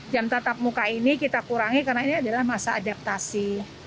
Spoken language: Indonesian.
jam tatap muka ini kita kurangi karena ini adalah masa adaptasi